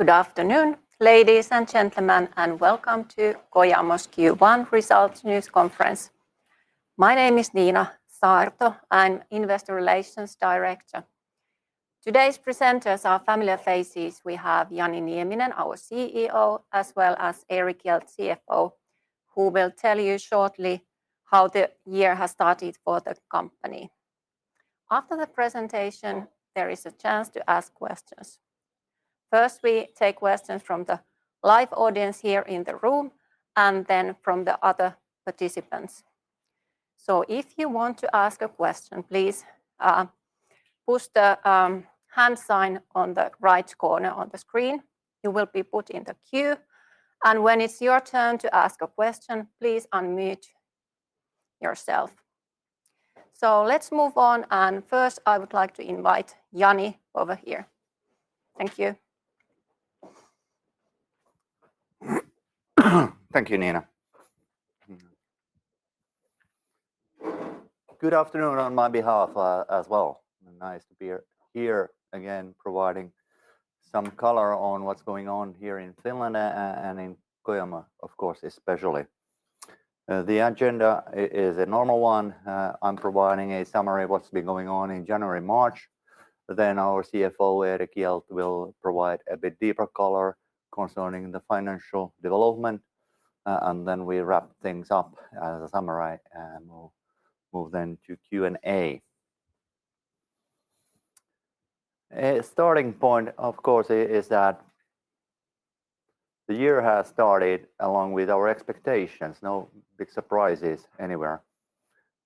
Good afternoon, ladies and gentlemen, welcome to Kojamo's Q1 results news conference. My name is Niina Saarto. I'm investor relations director. Today's presenters are familiar faces. We have Jani Nieminen, our CEO, as well as Erik Hjelt, CFO, who will tell you shortly how the year has started for the company. After the presentation there is a chance to ask questions. First, we take questions from the live audience here in the room and then from the other participants. If you want to ask a question, please push the hand sign on the right corner on the screen. You will be put in the queue, and when it's your turn to ask a question, please unmute yourself. Let's move on, and first, I would like to invite Jani over here. Thank you. Thank you, Nina. Good afternoon on my behalf as well. Nice to be here again, providing some color on what's going on here in Finland and in Kojamo, of course, especially. The agenda is a normal one. I'm providing a summary of what's been going on in January, March. Our CFO, Erik Hjelt, will provide a bit deeper color concerning the financial development, and then we wrap things up as a summary, and we'll move then to Q&A. A starting point, of course, is that the year has started along with our expectations. No big surprises anywhere.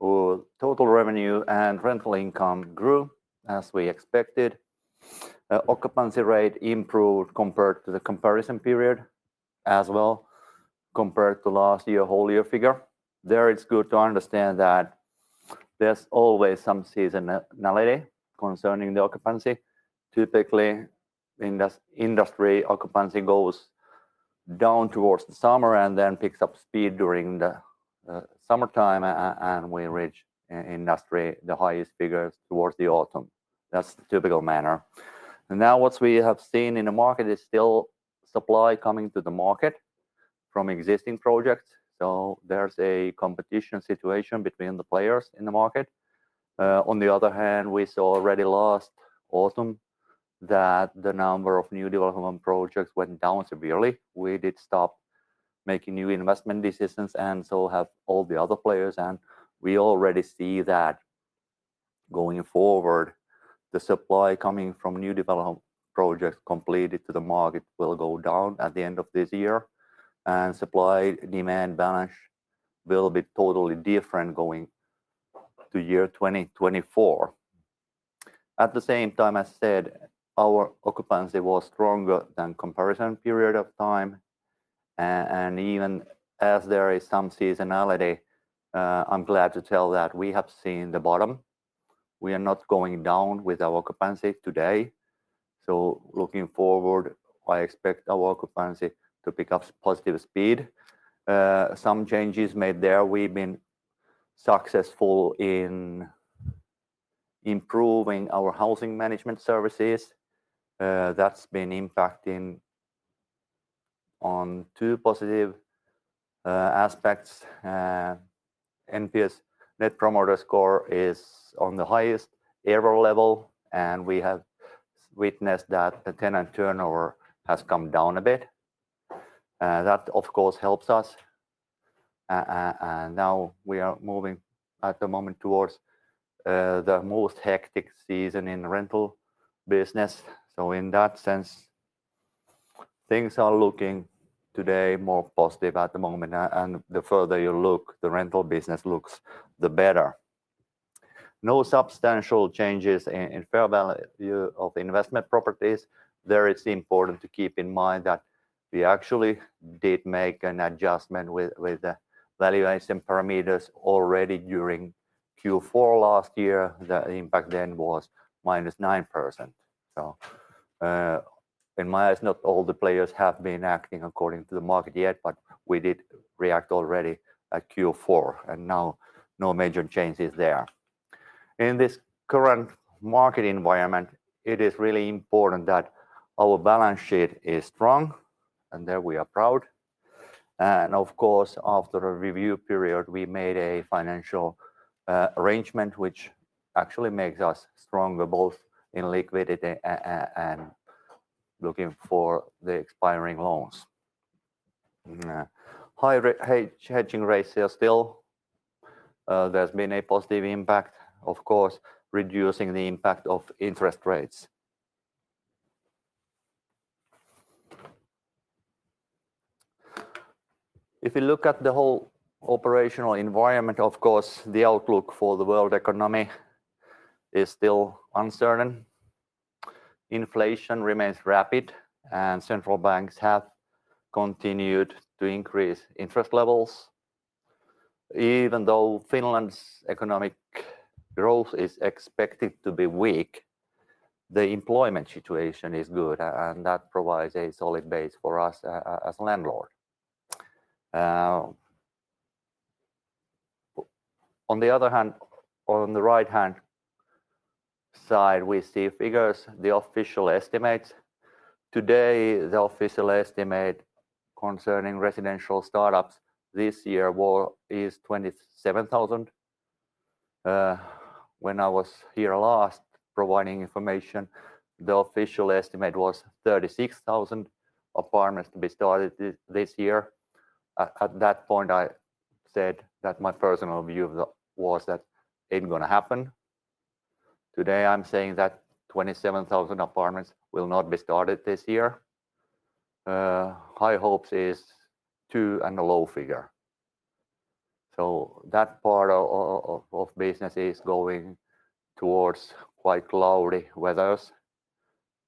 Our total revenue and rental income grew as we expected. Occupancy rate improved compared to the comparison period, as well compared to last year whole year figure. There it's good to understand that there's always some seasonality concerning the occupancy. Typically in this industry, occupancy goes down towards the summer and then picks up speed during the summertime and we reach in industry the highest figures towards the autumn. That's the typical manner. Now what we have seen in the market is still supply coming to the market from existing projects, so there's a competition situation between the players in the market. On the other hand, we saw already last autumn that the number of new development projects went down severely. We did stop making new investment decisions and so have all the other players, and we already see that going forward, the supply coming from new development projects completed to the market will go down at the end of this year, and supply-demand balance will be totally different going to year 2024. At the same time, as said, our occupancy was stronger than comparison period of time and even as there is some seasonality, I'm glad to tell that we have seen the bottom. We are not going down with our occupancy today. Looking forward, I expect our occupancy to pick up positive speed. Some changes made there. We've been successful in improving our housing management services. That's been impacting on 2 positive aspects. NPS, Net Promoter Score, is on the highest ever level, and we have witnessed that the tenant turnover has come down a bit. That of course helps us. Now we are moving at the moment towards the most hectic season in rental business. In that sense, things are looking today more positive at the moment and the further you look, the rental business looks the better. No substantial changes in fair value of investment properties. There it's important to keep in mind that we actually did make an adjustment with the valuation parameters already during Q4 last year. The impact then was minus 9%. In my eyes, not all the players have been acting according to the market yet, but we did react already at Q4, and now no major changes there. In this current market environment, it is really important that our balance sheet is strong, and there we are proud. Of course, after a review period, we made a financial arrangement which actually makes us stronger both in liquidity and looking for the expiring loans. High hedging rates are still, there's been a positive impact, of course, reducing the impact of interest rates. If you look at the whole operational environment, of course, the outlook for the world economy is still uncertain. Inflation remains rapid, and central banks have continued to increase interest levels. Even though Finland's economic growth is expected to be weak, the employment situation is good and that provides a solid base for us as landlord. On the other hand, on the right-hand side, we see figures, the official estimates. Today, the official estimate concerning residential startups this year is 27,000. When I was here last providing information, the official estimate was 36,000 apartments to be started this year. At that point I said that my personal view of the was that ain't gonna happen. Today, I'm saying that 27,000 apartments will not be started this year. High hopes is too and low figure. That part of business is going towards quite cloudy weathers.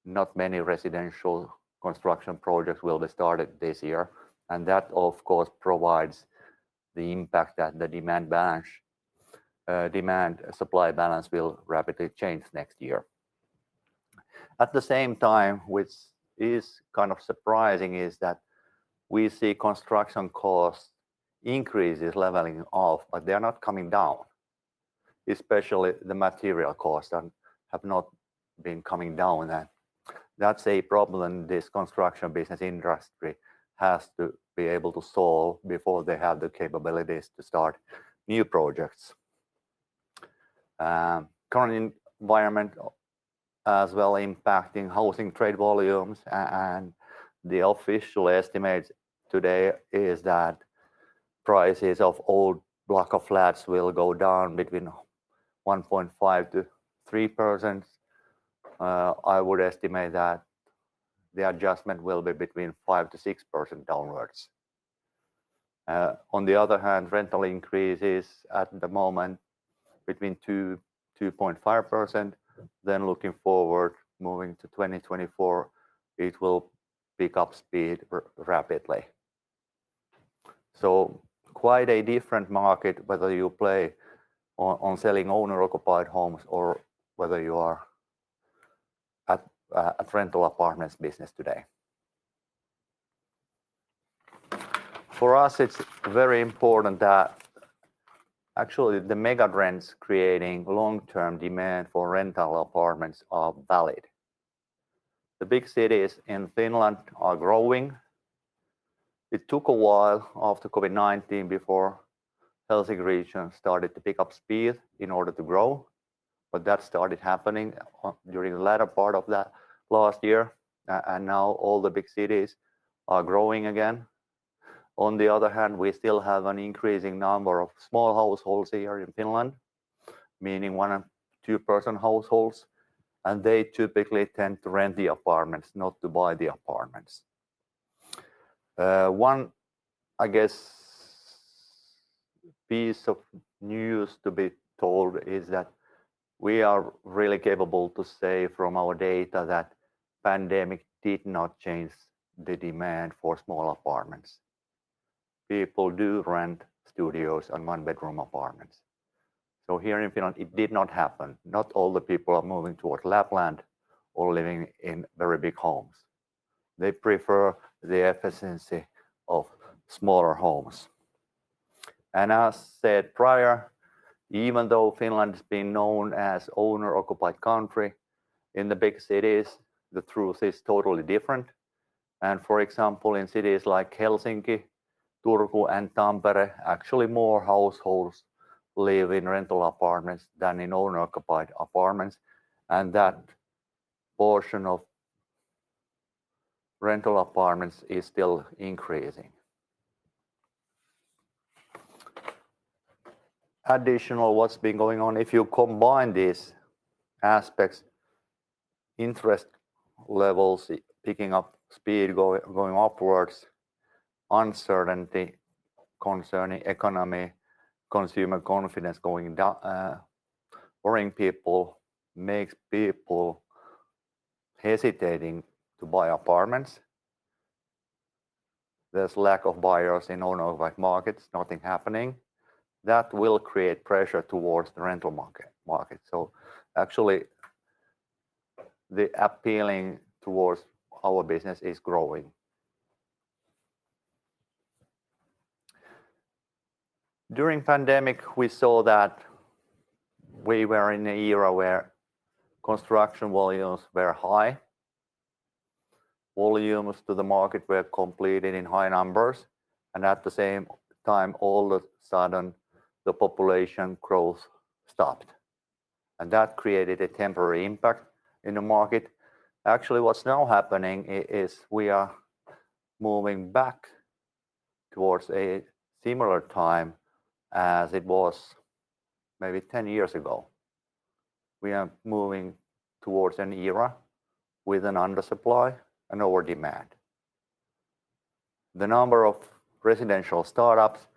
Not many residential construction projects will be started this year. That of course provides the impact that the demand supply balance will rapidly change next year. At the same time, which is kind of surprising, is that we see construction costs increases leveling off, but they are not coming down, especially the material costs have not been coming down. That's a problem this construction business industry has to be able to solve before they have the capabilities to start new projects. Current environment as well impacting housing trade volumes. The official estimate today is that prices of old block of flats will go down between 1.5%-3%. I would estimate that the adjustment will be between 5%-6% downwards. On the other hand, rental increases at the moment between 2%-2.5%. Looking forward, moving to 2024, it will pick up speed rapidly. Quite a different market whether you play on selling owner-occupied homes or whether you are at a rental apartments business today. For us, it's very important that actually the mega trends creating long-term demand for rental apartments are valid. The big cities in Finland are growing. It took a while after COVID-19 before Helsinki region started to pick up speed in order to grow. That started happening during the latter part of that last year. Now all the big cities are growing again. On the other hand, we still have an increasing number of small households here in Finland, meaning 1 or 2 person households, and they typically tend to rent the apartments, not to buy the apartments. 1, I guess, piece of news to be told is that we are really capable to say from our data that pandemic did not change the demand for small apartments. People do rent studios and 1-bedroom apartments. Here in Finland, it did not happen. Not all the people are moving towards Lapland or living in very big homes. They prefer the efficiency of smaller homes. As said prior, even though Finland's been known as owner-occupied country, in the big cities, the truth is totally different. For example, in cities like Helsinki, Turku, and Tampere, actually more households live in rental apartments than in owner-occupied apartments. That portion of rental apartments is still increasing. Additional what's been going on, if you combine these aspects, interest levels picking up speed, going upwards, uncertainty concerning economy, consumer confidence worrying people, makes people hesitating to buy apartments. There's lack of buyers in owner-occupied markets, nothing happening. Will create pressure towards the rental market. Actually, the appealing towards our business is growing. During pandemic, we saw that we were in a era where construction volumes were high. Volumes to the market were completed in high numbers. At the same time, all of a sudden, the population growth stopped. That created a temporary impact in the market. What's now happening is we are moving back towards a similar time as it was maybe 10 years ago. We are moving towards an era with an undersupply and overdemand. The number of residential startups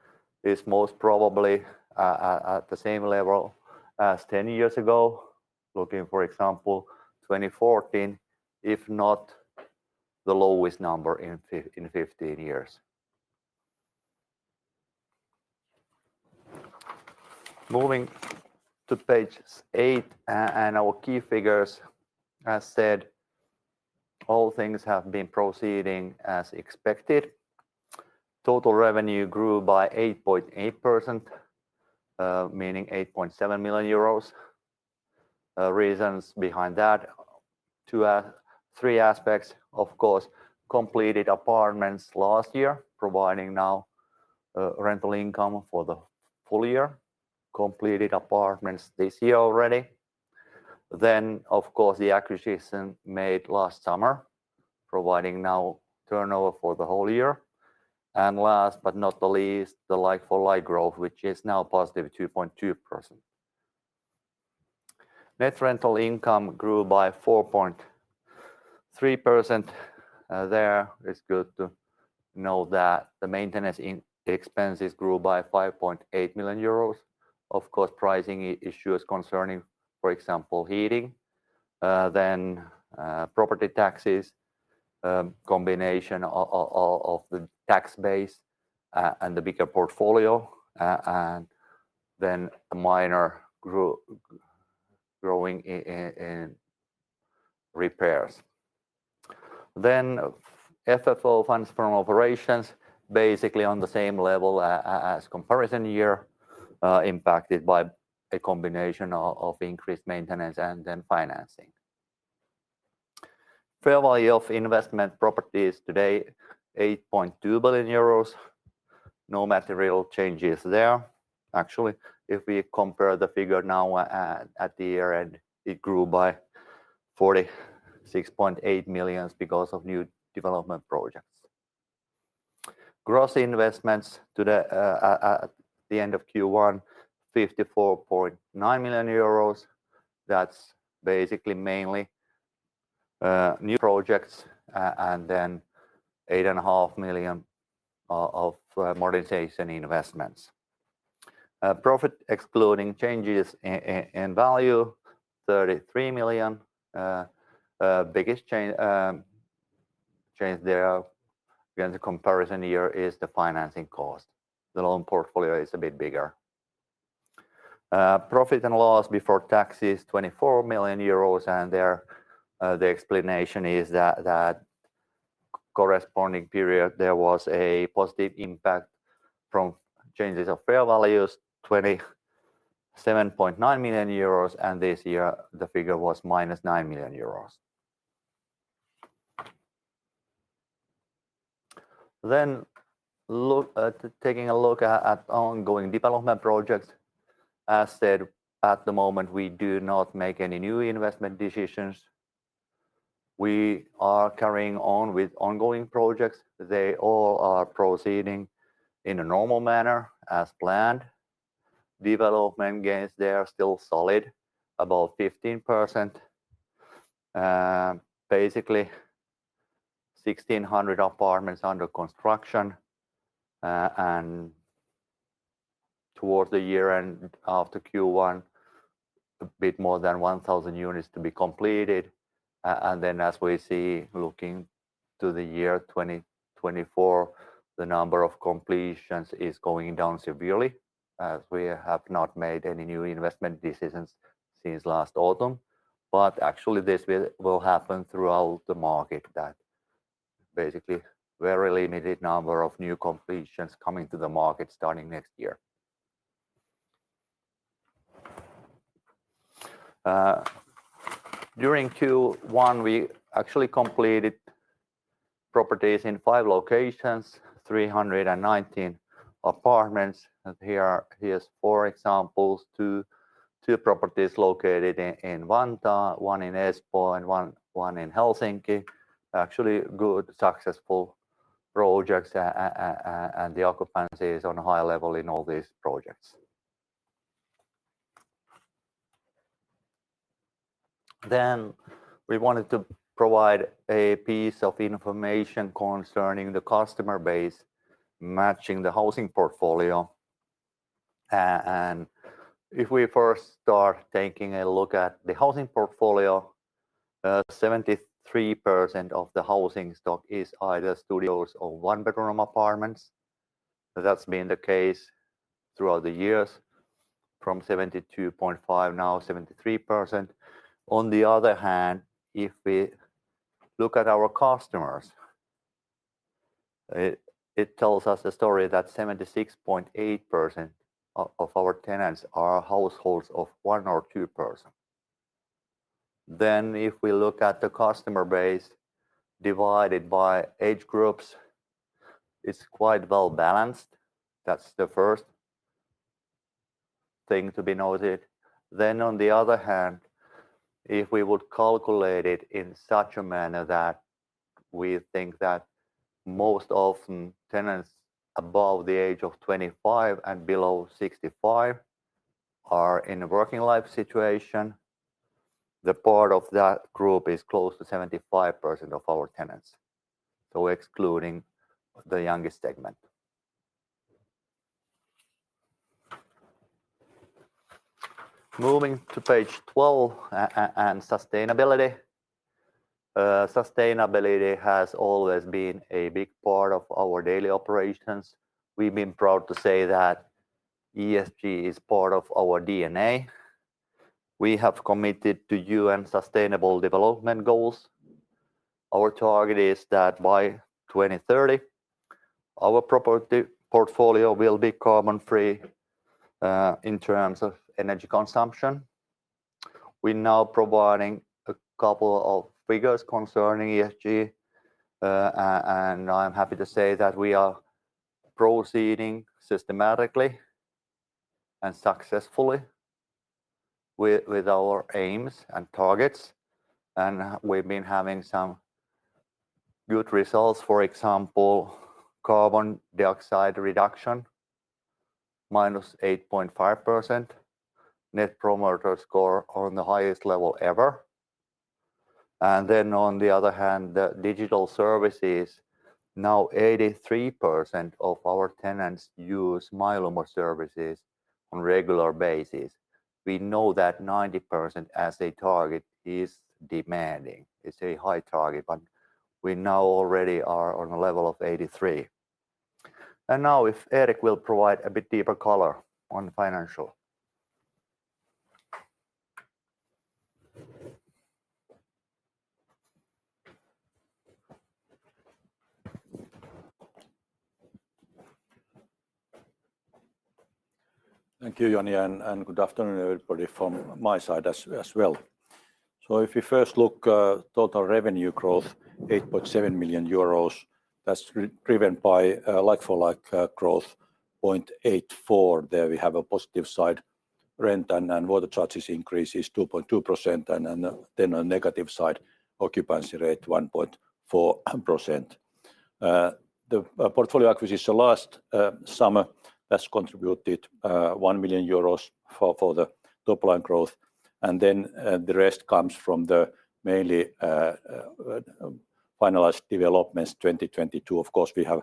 is most probably at the same level as 10 years ago. Looking, for example, 2014 if not the lowest number in 15 years. Moving to page 8 and our key figures. All things have been proceeding as expected. Total revenue grew by 8.8%, meaning 8.7 million euros. Reasons behind that, three aspects: of course, completed apartments last year, providing now rental income for the full year. Completed apartments this year already. Of course, the acquisition made last summer, providing now turnover for the whole year. Last but not the least, the like-for-like growth, which is now positive 2.2%. Net rental income grew by 4.3%. There it's good to know that the maintenance expenses grew by 5.8 million euros. Of course, pricing issues concerning, for example, heating. Then, property taxes, a combination of the tax base, and the bigger portfolio, and then a minor growing in repairs. Then FFO, funds from operations, basically on the same level as comparison year, impacted by a combination of increased maintenance and then financing. Fair value of investment properties today, 8.2 billion euros. No material changes there. Actually, if we compare the figure now at the year-end, it grew by 46.8 million because of new development projects. Gross investments to the end of Q1, 54.9 million euros. That's basically mainly new projects, and then 8.5 million of modernization investments. Profit excluding changes in value, 33 million. Biggest change there against the comparison year is the financing cost. The loan portfolio is a bit bigger. Profit and loss before tax is 24 million euros, and there, the explanation is that corresponding period, there was a positive impact from changes of fair values, 27.9 million euros, and this year the figure was minus 9 million euros. Taking a look at ongoing development projects. As said, at the moment, we do not make any new investment decisions. We are carrying on with ongoing projects. They all are proceeding in a normal manner as planned. Development gains there are still solid, about 15%. Basically 1,600 apartments under construction, and towards the year-end after Q1, a bit more than 1,000 units to be completed. Then as we see, looking to the year 2024, the number of completions is going down severely as we have not made any new investment decisions since last autumn. Actually this will happen throughout the market that basically very limited number of new completions coming to the market starting next year. During Q1, we actually completed properties in 5 locations, 319 apartments. Here's 4 examples. Two properties located in Vantaa, 1 in Espoo, and 1 in Helsinki. Actually good, successful projects and the occupancy is on a high level in all these projects. We wanted to provide a piece of information concerning the customer base matching the housing portfolio. If we first start taking a look at the housing portfolio, 73% of the housing stock is either studios or one-bedroom apartments. That's been the case throughout the years from 72.5, now 73%. If we look at our customers, it tells us a story that 76.8% of our tenants are households of 1 or 2 person. If we look at the customer base divided by age groups, it's quite well-balanced. That's the first thing to be noted. If we would calculate it in such a manner that we think that most often tenants above the age of 25 and below 65 are in a working life situation, the part of that group is close to 75% of our tenants, so excluding the youngest segment. Moving to page 12, and sustainability. Sustainability has always been a big part of our daily operations. We've been proud to say that ESG is part of our DNA. We have committed to UN Sustainable Development Goals. Our target is that by 2030, our property portfolio will be carbon-free in terms of energy consumption. We're now providing a couple of figures concerning ESG, and I'm happy to say that we are proceeding systematically and successfully with our aims and targets, and we've been having some good results. For example, carbon dioxide reduction, -8.5%. Net Promoter Score on the highest level ever. On the other hand, the digital services, now 83% of our tenants use MyLumo services on regular basis. We know that 90% as a target is demanding. It's a high target, we now already are on a level of 83. If Erik will provide a bit deeper color on financial. Thank you, Jani, and good afternoon, everybody, from my side as well. If you first look, total revenue growth, 8.7 million euros. That's driven by like-for-like growth, 0.84%. There we have a positive side, rent and water charges increases 2.2%, and then a negative side, occupancy rate, 1.4%. The portfolio acquisition last summer has contributed 1 million euros for the top-line growth, the rest comes from the mainly finalized developments 2022. Of course, we have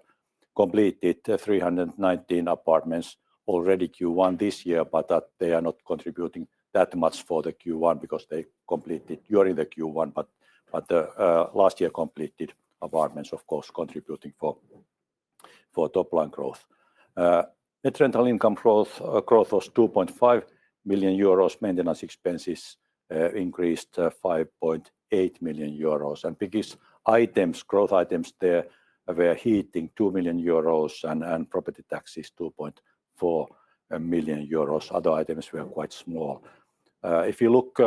completed 319 apartments already Q1 this year, but they are not contributing that much for the Q1 because they completed during the Q1. Last year completed apartments of course contributing for top-line growth. Net rental income growth was 2.5 million euros. Maintenance expenses increased 5.8 million euros. Biggest items, growth items there were heating, 2 million euros, and property taxes, 2.4 million euros. Other items were quite small. If you look,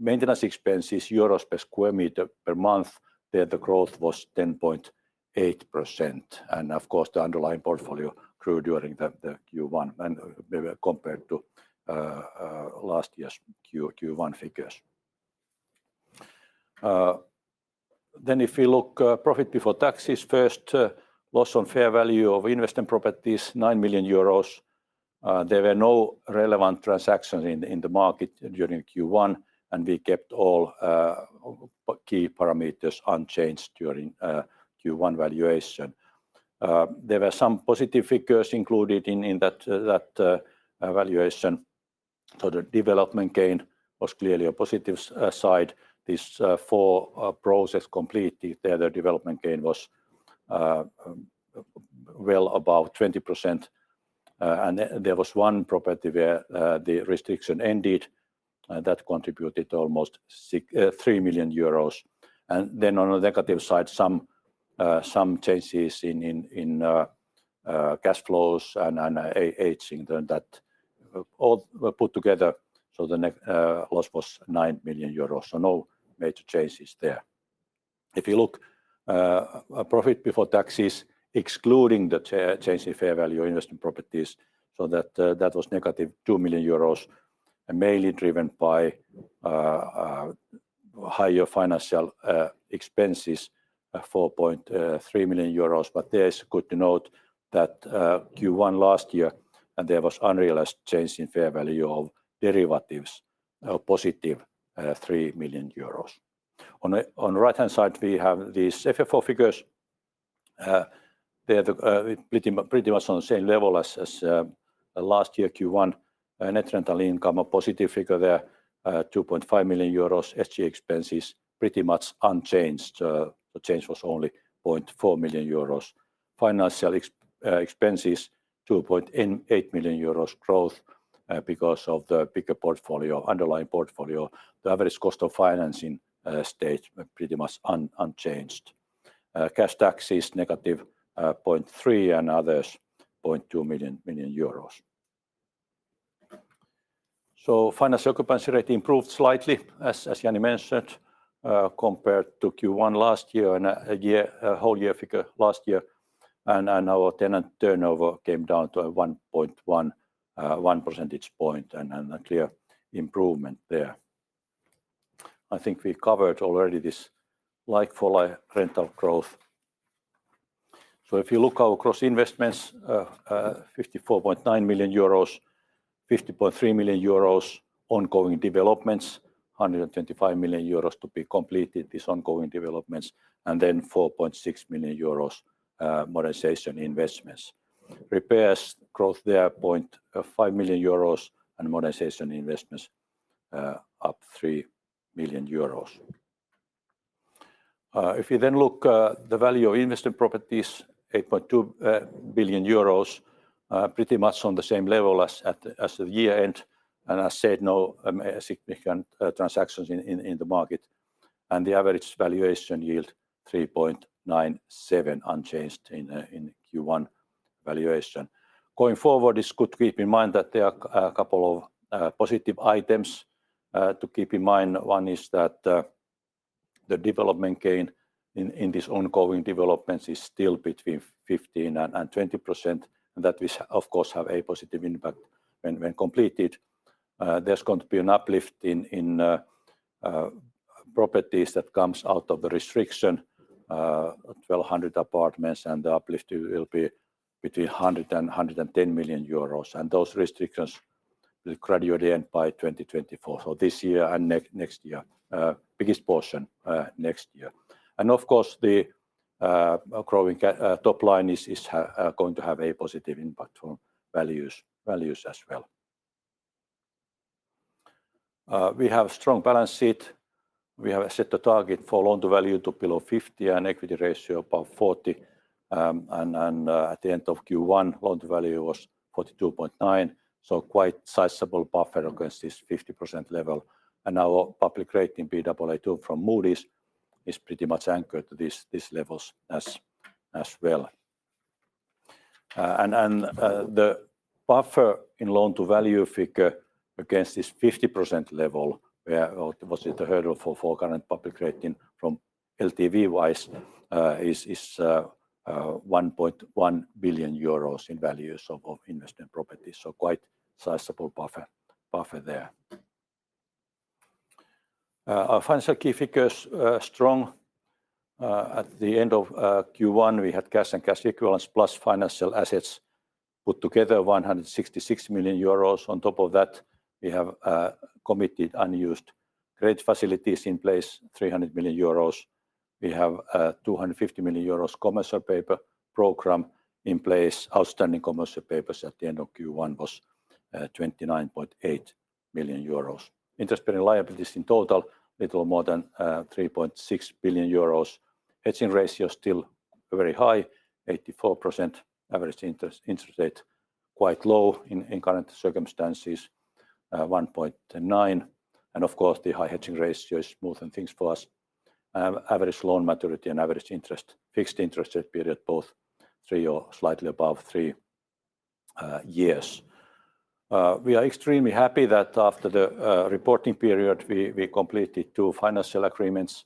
maintenance expenses, euros per square meter per month, there the growth was 10.8%. Of course, the underlying portfolio grew during the Q1 when we were compared to last year's Q1 figures. If you look, profit before taxes, first, loss on fair value of investment properties, 9 million euros. There were no relevant transactions in the market during Q1, and we kept all key parameters unchanged during Q1 valuation. There were some positive figures included in that valuation. The development gain was clearly a positive side. These 4 process completed, there the development gain was well above 20%. There was one property where the restriction ended, and that contributed almost 3 million euros. On the negative side, some changes in cash flows and aging that all were put together, the loss was 9 million euros. No major changes there. If you look, profit before taxes, excluding the change in fair value investment properties, that was negative 2 million euros, and mainly driven by higher financial expenses, 4.3 million euros. There's good to note that Q1 last year, there was unrealized change in fair value of derivatives, a positive 3 million euros. On the right-hand side, we have these FFO figures. They're pretty much on the same level as last year Q1. Net rental income, a positive figure there, 2.5 million euros. SG&A expenses pretty much unchanged. The change was only 0.4 million euros. Financial expenses, 2.8 million euros growth, because of the bigger portfolio, underlying portfolio. The average cost of financing stayed pretty much unchanged. Cash taxes, negative 0.3, and others, 0.2 million euros. Financial occupancy rate improved slightly, as Joni mentioned, compared to Q1 last year and a year, a whole year figure last year. Our tenant turnover came down to 1.1 percentage points, a clear improvement there. I think we covered already this like-for-like rental growth. If you look our gross investments, 54.9 million euros, 50.3 million euros ongoing developments, 125 million euros to be completed, these ongoing developments, then 4.6 million euros modernization investments. Repairs growth there, 0.5 million euros, and modernization investments, up 3 million euros. If you then look, the value of investment properties, 8.2 billion euros, pretty much on the same level as of year-end. As said, no significant transactions in the market. The average valuation yield 3.97 unchanged in Q1 valuation. Going forward, it's good to keep in mind that there are a couple of positive items to keep in mind. One is that the development gain in this ongoing developments is still between 15% and 20%, and that will of course have a positive impact when completed. There's going to be an uplift in properties that comes out of the restriction of 1,200 apartments, and the uplift it will be between 100 million euros and 110 million euros. Those restrictions will gradually end by 2024. This year and next year. Biggest portion next year. Of course, the growing top line is going to have a positive impact on values as well. We have strong balance sheet. We have set a target for loan-to-value to below 50 and equity ratio above 40. At the end of Q1, loan-to-value was 42.9, so quite sizable buffer against this 50% level. Our public rating, Baa2 from Moody's, is pretty much anchored to these levels as well. The buffer in loan-to-value figure against this 50% level where or was it the hurdle for current public rating from LTV-wise, is 1.1 billion euros in value. Of investment properties. Quite sizable buffer there. Our financial key figures are strong. At the end of Q1, we had cash and cash equivalents plus financial assets put together 166 million euros. On top of that, we have committed unused credit facilities in place, 300 million euros. We have 250 million euros commercial paper program in place. Outstanding commercial papers at the end of Q1 was 29.8 million euros. Interest-bearing liabilities in total, little more than 3.6 billion euros. Hedging ratio is still very high, 84%. Average interest rate quite low in current circumstances, 1.9%. Of course, the high hedging ratio smoothen things for us. Average loan maturity and average interest, fixed interest rate period, both 3 or slightly above 3 years. We are extremely happy that after the reporting period, we completed two financial agreements,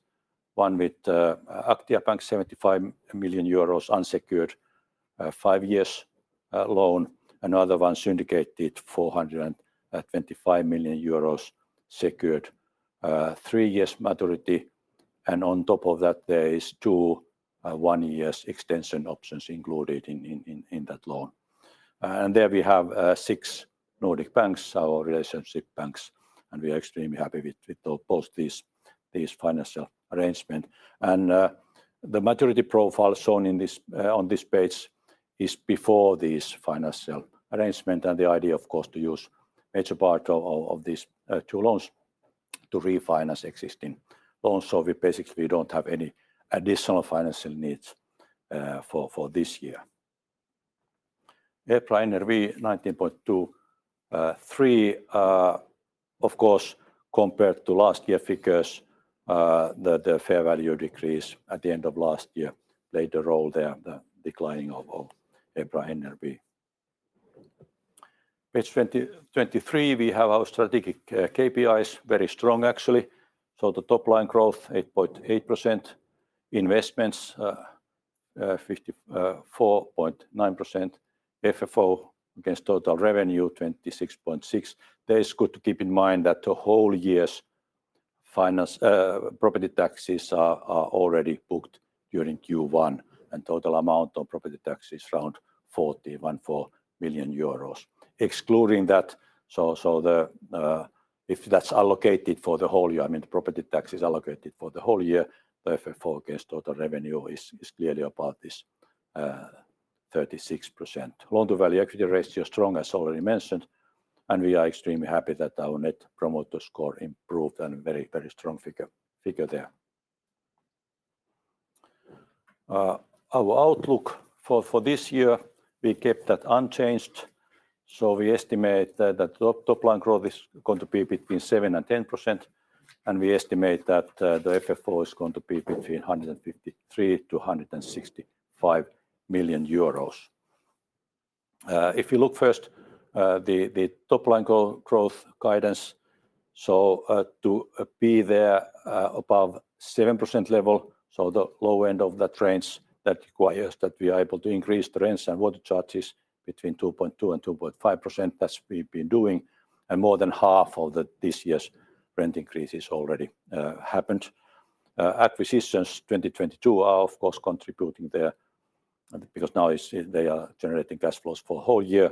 one with Aktia Bank, 75 million euros unsecured, 5 years loan. Another one syndicated 425 million euros secured, 3 years maturity. On top of that, there is 2, 1 years extension options included in that loan. There we have 6 Nordic banks, our relationship banks, and we are extremely happy with both these financial arrangement. The maturity profile shown in this on this page is before these financial arrangement. The idea, of course, to use major part of these 2 loans to refinance existing loans. We basically don't have any additional financial needs for this year. EPRA NRV 19.23. Of course, compared to last year figures, the fair value decrease at the end of last year played a role there, the declining of EPRA NRV. Page 23, we have our strategic KPIs, very strong actually. The top line growth, 8.8%. Investments, 54.9%. FFO against total revenue, 26.6%. There is good to keep in mind that the whole year's finance property taxes are already booked during Q1, and total amount on property tax is around 41.4 million euros. Excluding that, so the if that's allocated for the whole year, I mean, the property tax is allocated for the whole year, the FFO against total revenue is clearly above this 36%. Loan-to-value, equity ratio strong as already mentioned. We are extremely happy that our Net Promoter Score improved and very strong figure there. Our outlook for this year, we kept that unchanged. We estimate that the top line growth is going to be between 7% and 10%, and we estimate that the FFO is going to be between 153 million euros to 165 million euros. If you look first the top line growth guidance, to be there above 7% level, so the low end of that range, that requires that we are able to increase rents and water charges between 2.2% and 2.5%. That's what we've been doing, and more than half of this year's rent increases already happened. Acquisitions 2022 are of course contributing there because now they are generating cash flows for whole year.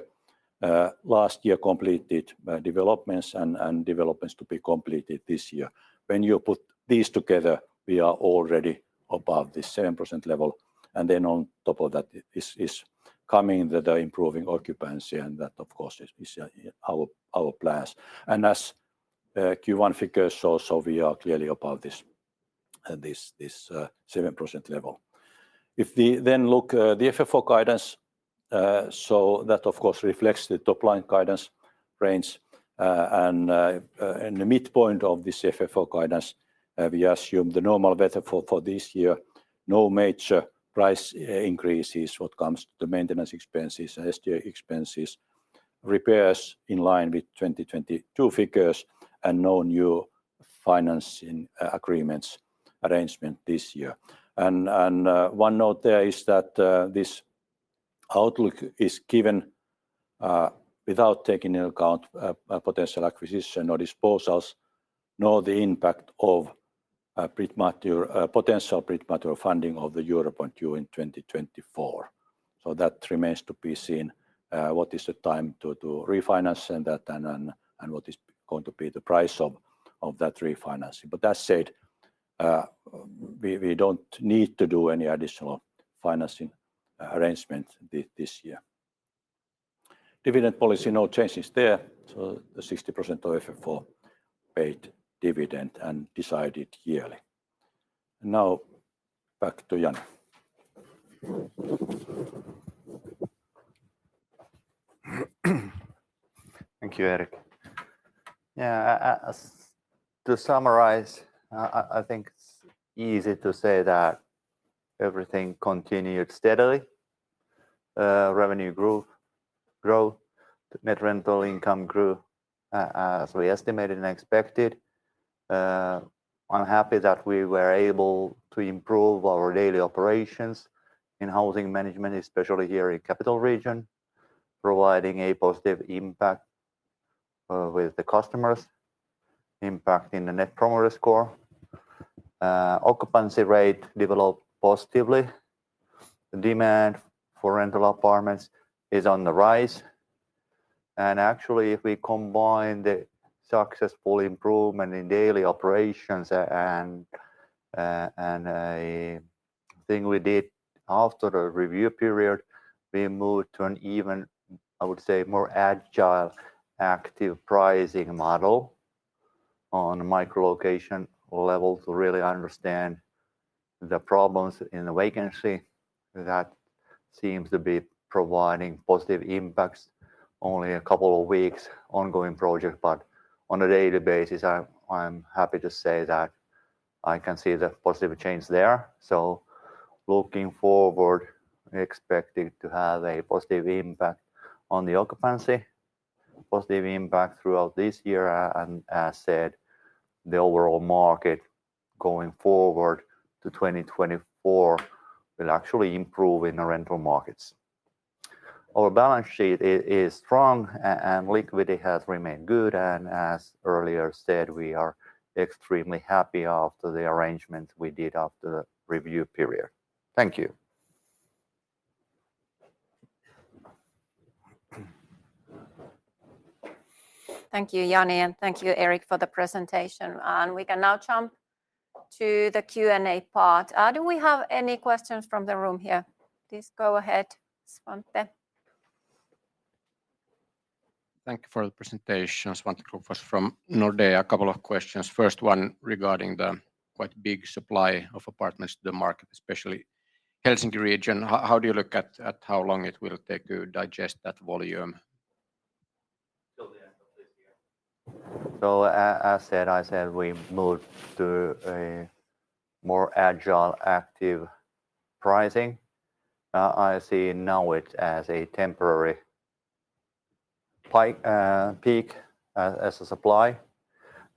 Last year completed developments and developments to be completed this year. When you put these together, we are already above the 7% level. On top of that is coming the improving occupancy, and that of course is our plans. Q1 figures show, we are clearly above this 7% level. If we look the FFO guidance, that of course reflects the top line guidance range. The midpoint of this FFO guidance, we assume the normal weather for this year, no major price increases when it comes to the maintenance expenses, SGA expenses, repairs in line with 2022 figures, no new financing agreements arrangement this year. One note there is that this outlook is given without taking into account a potential acquisition or disposals nor the impact of potential prematural funding of the Eurobond due in 2024. That remains to be seen, what is the time to refinance and that and then, and what is going to be the price of that refinancing. That said, we don't need to do any additional financing arrangement this year. Dividend policy, no changes there. The 60% of FFO paid dividend and decided yearly. Now back to Jani. Thank you, Erik. Yeah, to summarize, I think it's easy to say that everything continued steadily. Revenue growth. Net rental income grew as we estimated and expected. I'm happy that we were able to improve our daily operations in housing management, especially here in Capital Region, providing a positive impact with the customers, impacting the Net Promoter Score. Occupancy rate developed positively. Demand for rental apartments is on the rise. Actually, if we combine the successful improvement in daily operations and a thing we did after the review period, we moved to an even, I would say, more agile, active pricing model on micro location level to really understand the problems in the vacancy. That seems to be providing positive impacts. Only a couple of weeks ongoing project, on a daily basis, I'm happy to say that I can see the positive change there. Looking forward, expecting to have a positive impact on the occupancy, positive impact throughout this year, and as said, the overall market going forward to 2024 will actually improve in the rental markets. Our balance sheet is strong and liquidity has remained good. As earlier said, we are extremely happy after the arrangement we did after the review period. Thank you. Thank you, Jani, and thank you, Erik, for the presentation. We can now jump to the Q&A part. Do we have any questions from the room here? Please go ahead, Svante. Thank you for the presentation. Svante Krokfors from Nordea. A couple of questions. First one regarding the quite big supply of apartments to the market, especially Helsinki region. How do you look at how long it will take to digest that volume? Till the end of this year. As said, we moved to a more agile, active pricing. I see now it as a temporary peak as a supply.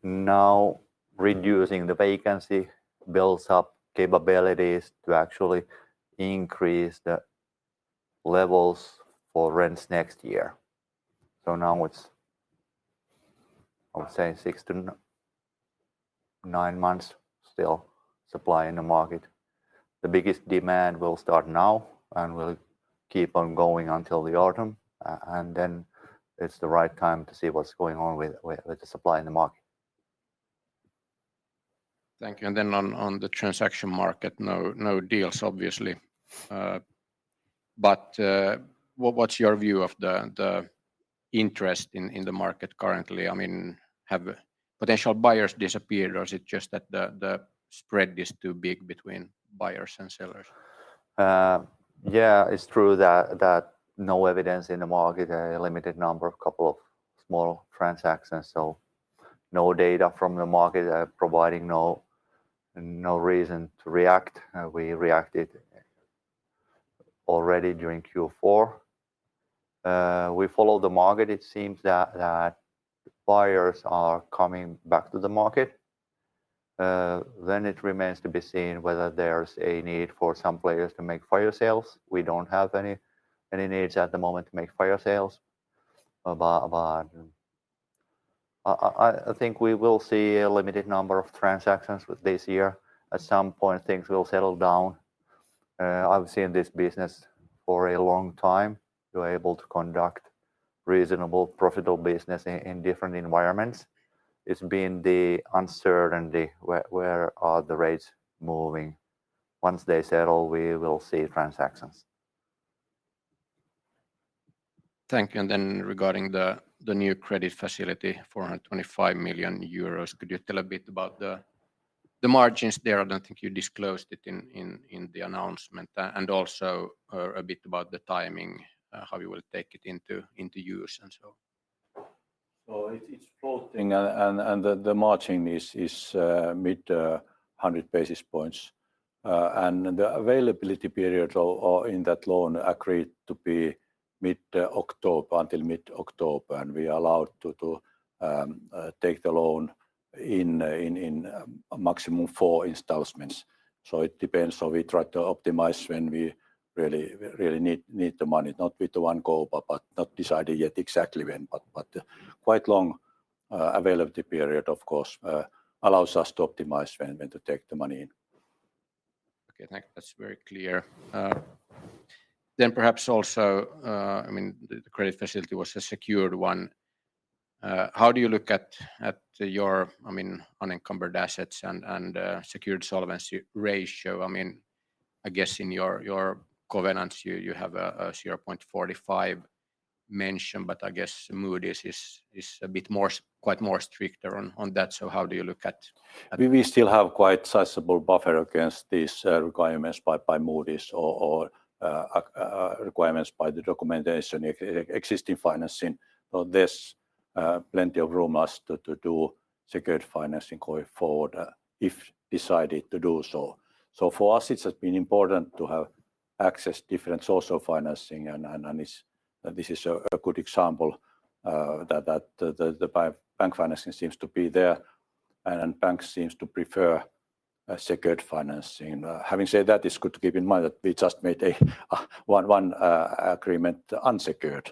Now reducing the vacancy builds up capabilities to actually increase the levels for rents next year. Now it's, I would say six to nine months still supply in the market. The biggest demand will start now, and will keep on going until the autumn, and then it's the right time to see what's going on with, with the supply in the market. Thank you. Then on the transaction market, no deals obviously. What's your view of the interest in the market currently? I mean, have potential buyers disappeared or is it just that the spread is too big between buyers and sellers? Yeah. It's true that no evidence in the market, a limited number of couple of small transactions. No data from the market, providing no reason to react. We reacted already during Q4. We follow the market. It seems that buyers are coming back to the market. It remains to be seen whether there's a need for some players to make fire sales. We don't have any needs at the moment to make fire sales. I think we will see a limited number of transactions with this year. At some point, things will settle down. I've seen this business for a long time. We're able to conduct reasonable, profitable business in different environments. It's been the uncertainty, where are the rates moving. Once they settle, we will see transactions. Thank you. Regarding the new credit facility, 425 million euros, could you tell a bit about the margins there? I don't think you disclosed it in the announcement. Also, a bit about the timing, how you will take it into use. It's floating. The margin is mid 100 basis points. The availability period or in that loan agreed to be mid-October until mid-October, and we are allowed to take the loan in maximum 4 installments. It depends. We try to optimize when we really need the money, not with the 1 goal but not decided yet exactly when. Quite long availability period, of course, allows us to optimize when to take the money in. Okay. Thank you. That's very clear. Perhaps also, I mean, the credit facility was a secured one. How do you look at your, I mean, unencumbered assets and secured solvency ratio? I mean, I guess in your covenants you have a 0.45 mention. I guess Moody's is a bit more quite more stricter on that. How do you look at. We still have quite sizable buffer against these requirements by Moody's or requirements by the documentation existing financing. There's plenty of room left to do secured financing going forward if decided to do so. For us it has been important to have access different source of financing and it's. This is a good example that the bank financing seems to be there and banks seems to prefer a secured financing. Having said that, it's good to keep in mind that we just made a 1 agreement unsecured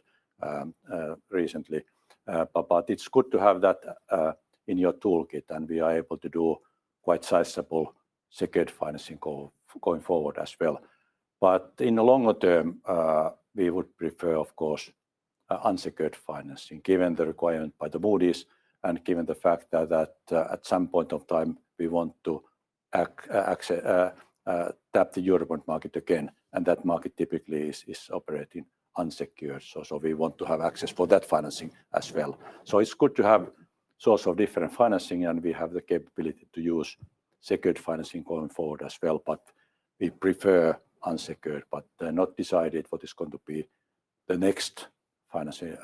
recently. But it's good to have that in your toolkit, and we are able to do quite sizable secured financing going forward as well. In the longer term, we would prefer, of course, unsecured financing given the requirement by Moody's and given the fact that, at some point of time we want to tap the Eurobond market again. That market typically is operating unsecured, so we want to have access for that financing as well. It's good to have source of different financing, and we have the capability to use secured financing going forward as well, but we prefer unsecured. Not decided what is going to be the next financing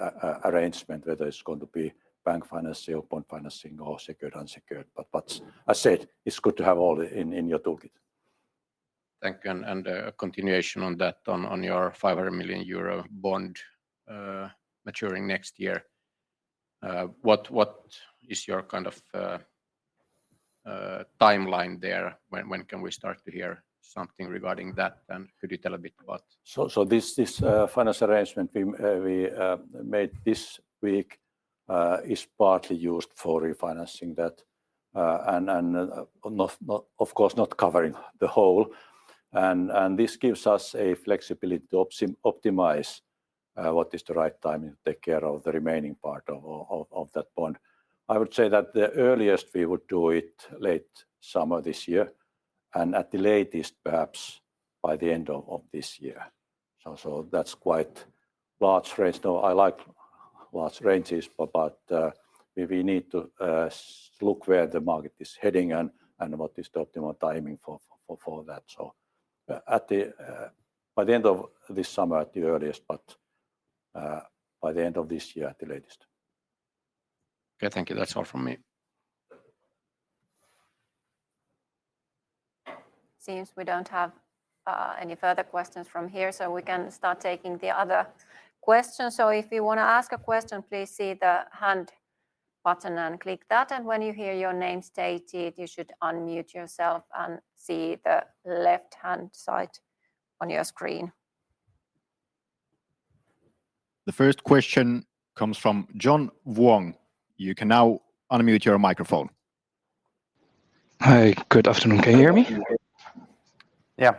arrangement, whether it's going to be bank financing or bond financing or secured, unsecured. I said, it's good to have all in your toolkit. Thank you. Continuation on that, on your 500 million Eurobond, maturing next year. What is your kind of timeline there? When can we start to hear something regarding that? Could you tell a bit what. This finance arrangement we made this week is partly used for refinancing that. And, of course, not covering the whole. This gives us a flexibility to optimize what is the right timing to take care of the remaining part of that bond. I would say that the earliest we would do it late summer this year, and at the latest perhaps by the end of this year. That's quite large range. I like large ranges, but we need to look where the market is heading and what is the optimal timing for that. At the end of this summer at the earliest, but by the end of this year at the latest. Okay. Thank you. That's all from me. Seems we don't have any further questions from here, so we can start taking the other questions. If you wanna ask a question, please see the hand button and click that. When you hear your name stated, you should unmute yourself and see the left-hand side on your screen. The first question comes from John Vuong. You can now unmute your microphone. Hi. Good afternoon. Can you hear me? Yeah.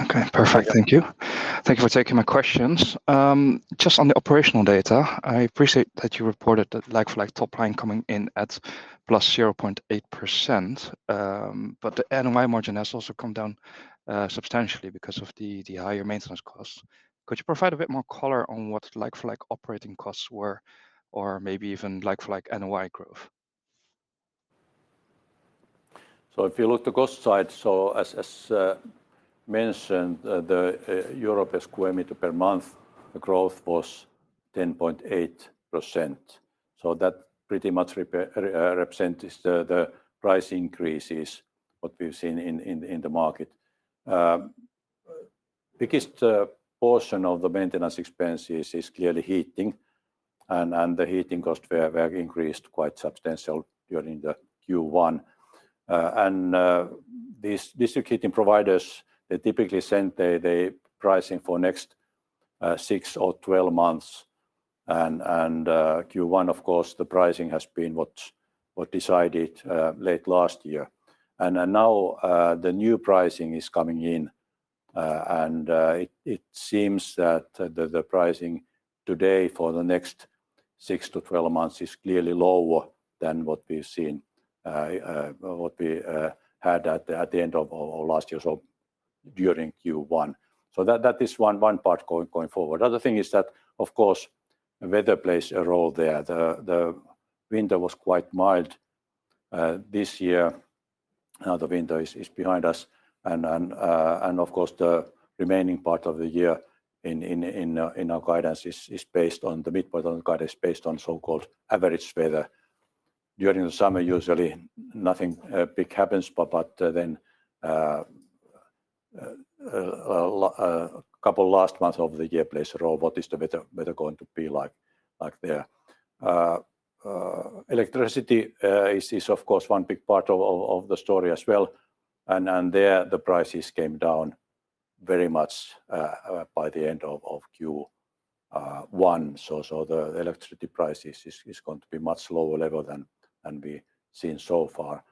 Okay. Perfect. Thank you. Thank you for taking my questions. Just on the operational data, I appreciate that you reported that like-for-like top line coming in at +0.8%, but the NOI margin has also come down substantially because of the higher maintenance costs. Could you provide a bit more color on what like-for-like operating costs were, or maybe even like-for-like NOI growth? If you look the cost side, as mentioned, the Europe square meter per month growth was 10.8%. That pretty much represents the price increases, what we've seen in the market. Biggest portion of the maintenance expenses is clearly heating and the heating cost were increased quite substantial during the Q1. These district heating providers, they typically send the pricing for next six or 12 months. Q1, of course, the pricing has been what decided late last year. Now the new pricing is coming in, and it seems that the pricing today for the next 6-12 months is clearly lower than what we've seen, what we had at the end of or last year, so during Q1. That is 1 part going forward. Other thing is that, of course, weather plays a role there. The winter was quite mild this year. Now the winter is behind us and of course the remaining part of the year in our guidance is based on the midpoint, and guidance based on so-called average weather. During the summer usually nothing big happens but then a couple last months of the year plays a role. What is the weather going to be like there? Electricity is of course one big part of the story as well and there the prices came down very much by the end of Q1. The electricity prices is going to be much lower level than we've seen so far.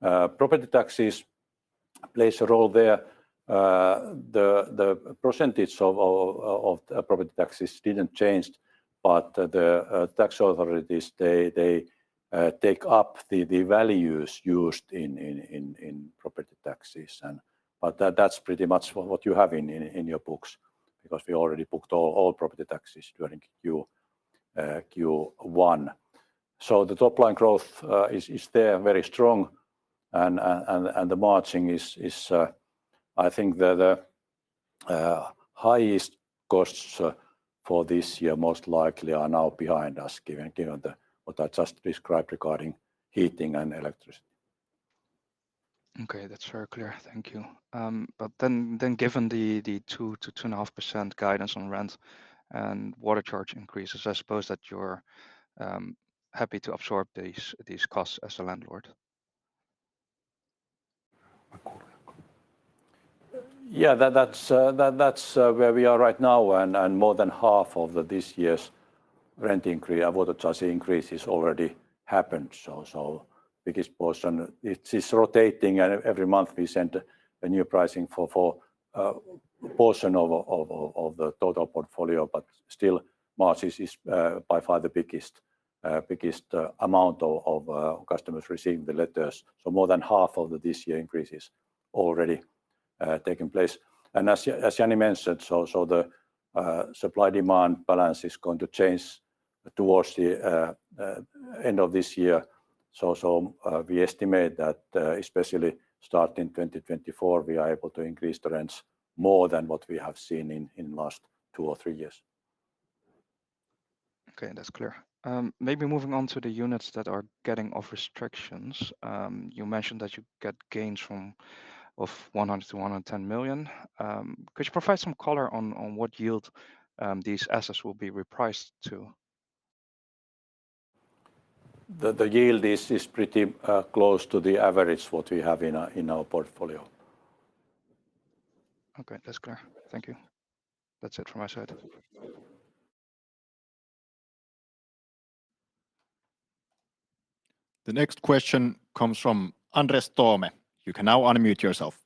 Property taxes plays a role there. The percentage of the property taxes didn't changed, but the tax authorities they take up the values used in property taxes. That's pretty much what you have in your books, because we already booked all property taxes during Q1. The top line growth is there very strong and the margin is. I think the highest costs for this year most likely are now behind us given the what I just described regarding heating and electricity. Okay. That's very clear. Thank you. Given the 2%-2.5% guidance on rent and water charge increases, I suppose that you're happy to absorb these costs as a landlord? That's where we are right now and more than half of this year's rent increase or water charge increases already happened. Biggest portion. It is rotating and every month we send a new pricing for portion of the total portfolio. Still March is by far the biggest amount of customers receiving the letters, so more than half of this year increases already taking place. As Jani mentioned, so the supply demand balance is going to change towards the end of this year. We estimate that especially starting 2024 we are able to increase the rents more than what we have seen in last 2 or 3 years. Okay. That's clear. maybe moving on to the units that are getting off restrictions. You mentioned that you get gains from 100 million-110 million. Could you provide some color on what yield these assets will be repriced to? The yield is pretty close to the average what we have in our portfolio. Okay. That's clear. Thank you. That's it from my side. The next question comes from Andres Toome. You can now unmute yourself.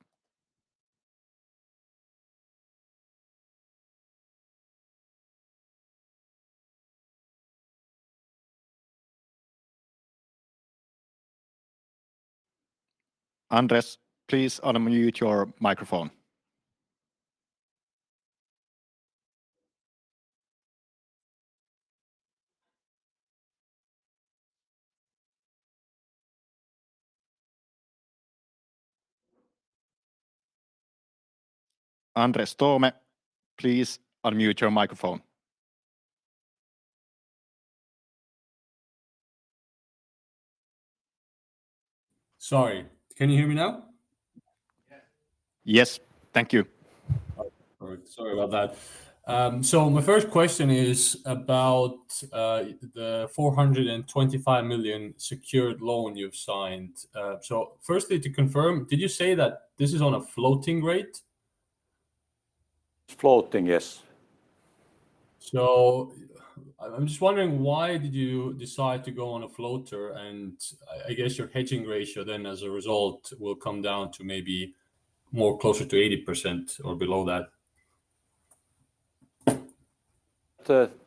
Andres, please unmute your microphone. Andres Toome, please unmute your microphone. Sorry. Can you hear me now? Yes. Thank you. All right. Sorry about that. My first question is about the 425 million secured loan you've signed. Firstly, to confirm, did you say that this is on a floating rate? It's floating. Yes. I'm just wondering, why did you decide to go on a floater? I guess your hedging ratio then as a result will come down to maybe more closer to 80% or below that.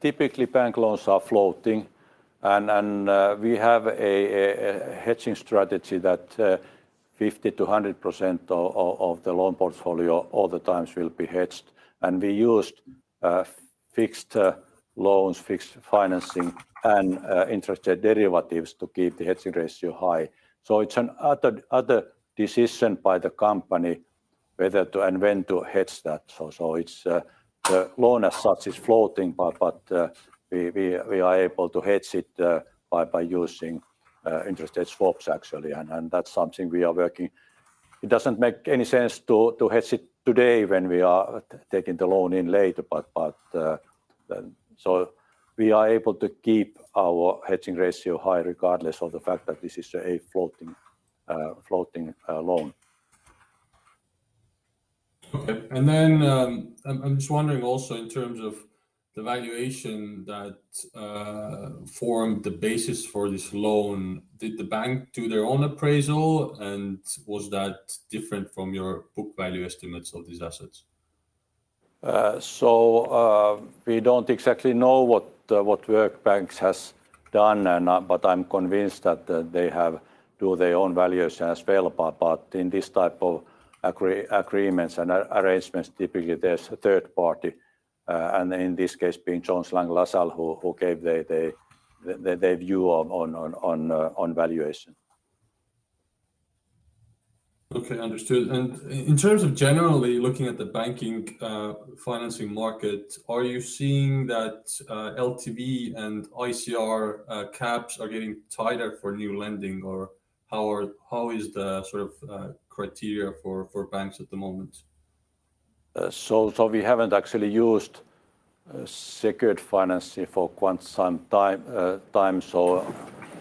Typically bank loans are floating, and we have a hedging strategy that 50%-100% of the loan portfolio all the times will be hedged. We used fixed loans, fixed financing, and interest derivatives to keep the hedging ratio high. It's an other decision by the company whether to and when to hedge that. It's the loan as such is floating, but we are able to hedge it by using interest swaps actually. That's something we are working. It doesn't make any sense to hedge it today when we are taking the loan in later. We are able to keep our hedging ratio high regardless of the fact that this is a floating floating loan. Okay. I'm just wondering also in terms of the valuation that formed the basis for this loan. Did the bank do their own appraisal and was that different from your book value estimates of these assets? We don't exactly know what Work Banks has done and, but I'm convinced that they have do their own values as well. In this type of agreements and arrangements, typically there's a third party, and in this case being Jones Lang LaSalle who gave their view on valuation. Okay. Understood. In terms of generally looking at the banking financing market, are you seeing that LTV and ICR caps are getting tighter for new lending? Or how is the sort of criteria for banks at the moment? We haven't actually used secured financing for quite some time.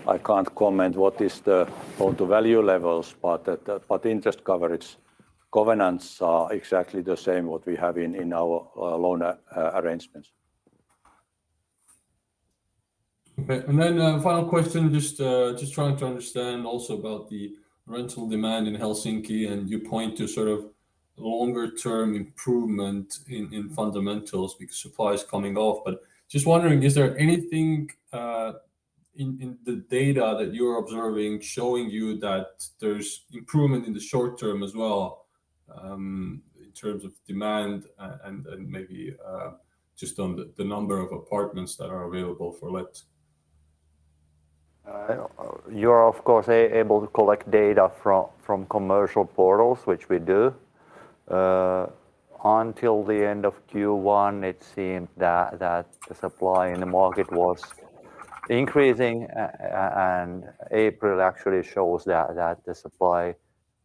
I can't comment what is the, all the value levels. Interest coverage governance are exactly the same what we have in our loan arrangements. Okay. A final question, just trying to understand also about the rental demand in Helsinki, and you point to sort of longer term improvement in fundamentals because supply is coming off. Just wondering, is there anything in the data that you're observing showing you that there's improvement in the short term as well, in terms of demand and maybe, just on the number of apartments that are available for let? You're of course able to collect data from commercial portals, which we do. Until the end of Q1, it seemed that the supply in the market was increasing, and April actually shows that the supply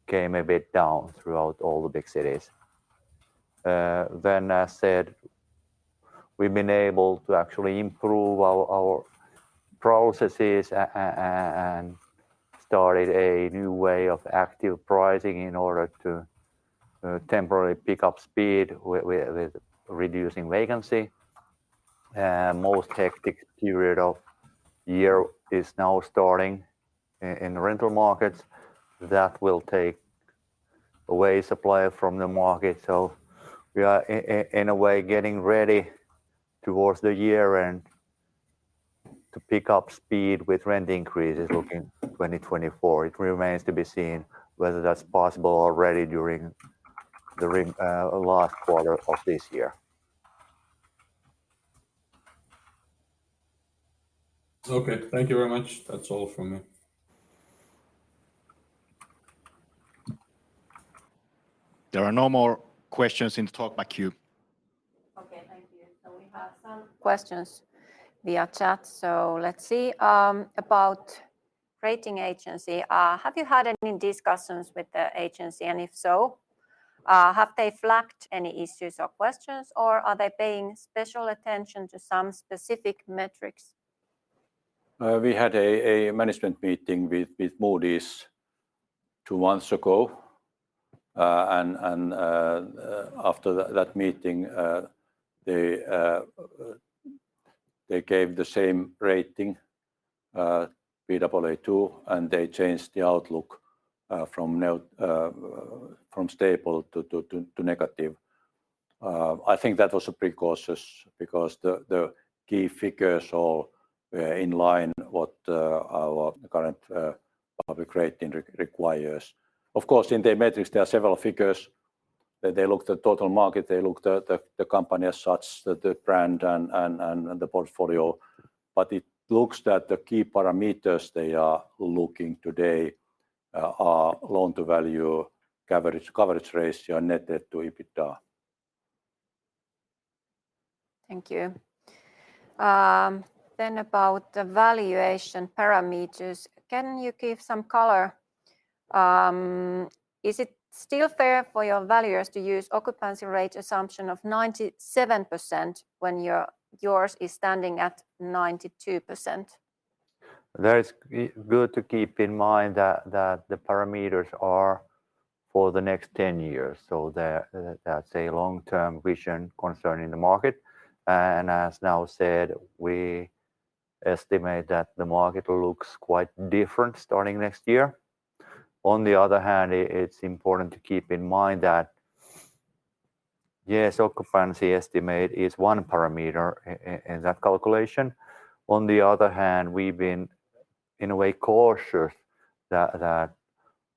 came a bit down throughout all the big cities. As said, we've been able to actually improve our processes and started a new way of active pricing in order to temporarily pick up speed with reducing vacancy. Most hectic period of year is now starting in rental markets. That will take away supply from the market. We are in a way getting ready towards the year-end to pick up speed with rent increases looking 2024. It remains to be seen whether that's possible already during the last quarter of this year. Okay. Thank you very much. That's all from me. There are no more questions in the talk back queue. Okay. Thank you. We have some questions via chat. Let's see. About rating agency. Have you had any discussions with the agency? If so, have they flagged any issues or questions, or are they paying special attention to some specific metrics? We had a management meeting with Moody's 2 months ago. After that meeting, they gave the same rating, Baa2, and they changed the outlook from stable to negative. I think that was a precautious because the key figures are in line what our current public rating requires. Of course, in their metrics there are several figures that they looked at total market, they looked at the company as such, the brand and the portfolio. It looks that the key parameters they are looking today are loan-to-value coverage ratio and net debt to EBITDA. Thank you. About the valuation parameters, can you give some color? Is it still fair for your valuers to use occupancy rate assumption of 97% when yours is standing at 92%? That is good to keep in mind that the parameters are for the next 10 years. That's a long-term vision concerning the market. As now said, we estimate that the market looks quite different starting next year. On the other hand, it's important to keep in mind that, yes, occupancy estimate is one parameter in that calculation. On the other hand, we've been, in a way, cautious that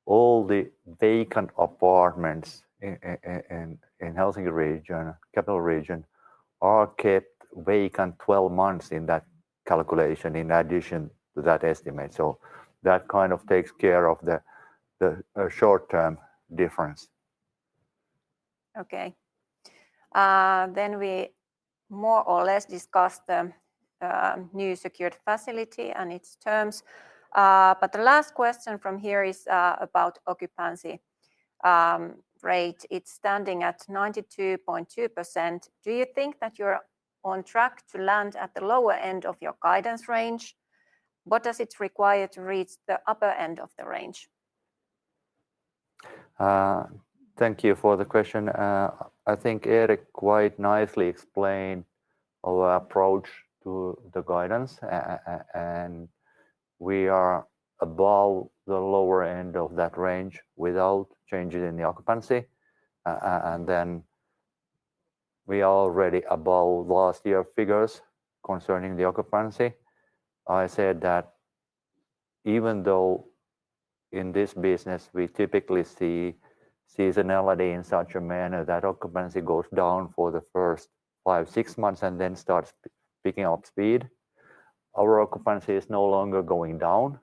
all the vacant apartments in Helsinki region, capital region, are kept vacant 12 months in that calculation in addition to that estimate. That kind of takes care of the short term difference. Okay. We more or less discussed the new secured facility and its terms. The last question from here is about occupancy rate. It's standing at 92.2%. Do you think that you're on track to land at the lower end of your guidance range? What does it require to reach the upper end of the range? Thank you for the question. I think Erik quite nicely explained our approach to the guidance. We are above the lower end of that range without changes in the occupancy. We are already above last year figures concerning the occupancy. I said that even though in this business we typically see seasonality in such a manner that occupancy goes down for the first 5, 6 months and then starts picking up speed, our occupancy is no longer going down,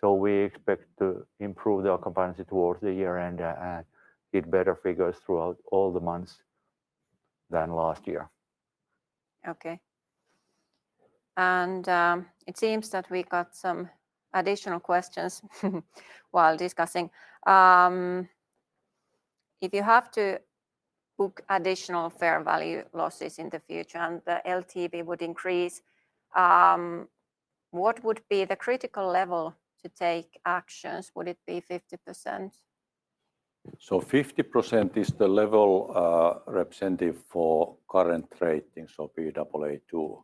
so we expect to improve the occupancy towards the year-end and get better figures throughout all the months than last year. Okay. It seems that we got some additional questions while discussing. If you have to book additional fair value losses in the future and the LTV would increase, what would be the critical level to take actions? Would it be 50%? Fifty percent is the level representative for current ratings of Aa2,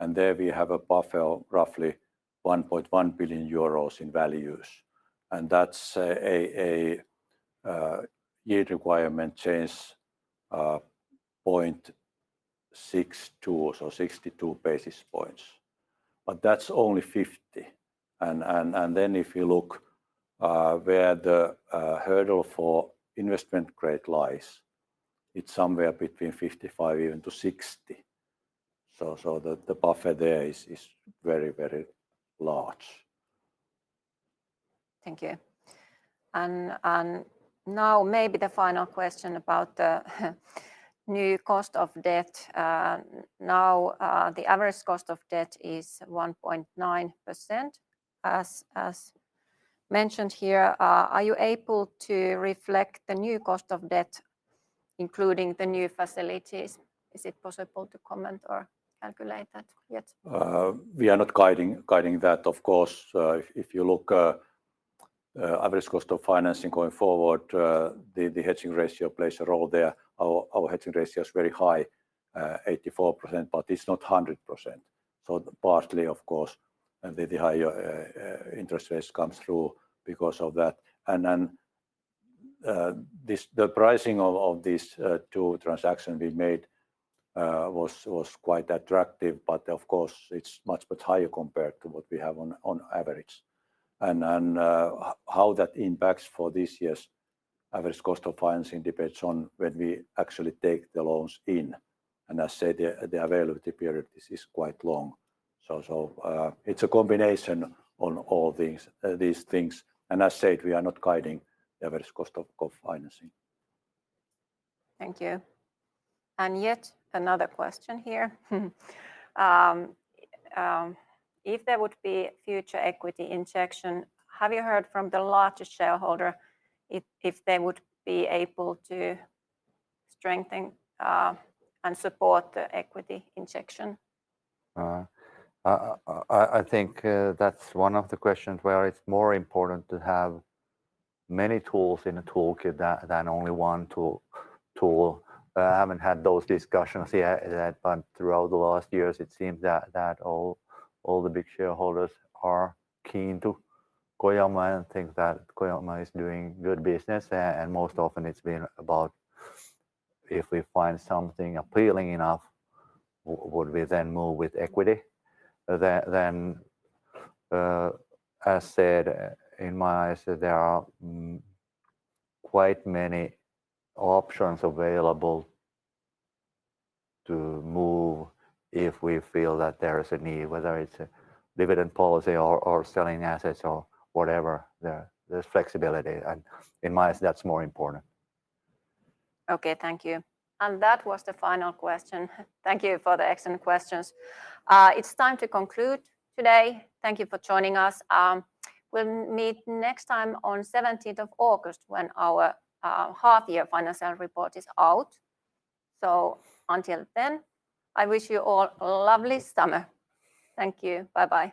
and there we have a buffer of roughly 1.1 billion euros in values, and that's a yield requirement change of 0.62, so 62 basis points. That's only 50. Then if you look where the hurdle for investment grade lies, it's somewhere between 55 even to 60. The buffer there is very, very large. Thank you. Now maybe the final question about the new cost of debt. Now, the average cost of debt is 1.9%, as mentioned here. Are you able to reflect the new cost of debt, including the new facilities? Is it possible to comment or calculate that yet? We are not guiding that. Of course, if you look, average cost of financing going forward, the hedging ratio plays a role there. Our hedging ratio is very high, 84%, but it's not 100%. So partly, of course, the higher interest rates comes through because of that. Then the pricing of these two transactions we made was quite attractive, but of course it's much, much higher compared to what we have on average. How that impacts for this year's average cost of financing depends on when we actually take the loans in. I said the availability period, this is quite long. So it's a combination on all these things. I said we are not guiding the average cost of financing. Thank you. Yet another question here. If there would be future equity injection, have you heard from the largest shareholder if they would be able to strengthen and support the equity injection? I think that's one of the questions where it's more important to have many tools in a toolkit than only one tool. I haven't had those discussions yet. Throughout the last years it seems that all the big shareholders are keen to Kojamo and think that Kojamo is doing good business. Most often it's been about if we find something appealing enough, would we then move with equity rather than, as said in my eyes, there are quite many options available to move if we feel that there is a need, whether it's a dividend policy or selling assets or whatever. There's flexibility. In my eyes that's more important. Okay. Thank you. That was the final question. Thank you for the excellent questions. It's time to conclude today. Thank you for joining us. We'll meet next time on 17th of August when our half year financial report is out. Until then, I wish you all a lovely summer. Thank you. Bye-bye.